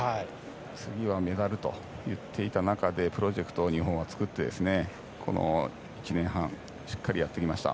次は、メダルと言っていた中でプロジェクトを日本は作って１年半しっかりやってきました。